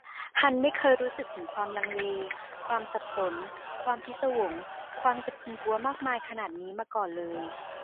ฮันไม่เคยรู้สึกถึงความลังเล ความสับสน ความพิศวง ความสะพรึงกลัวมากมายขนาดนี้มาก่อนเลย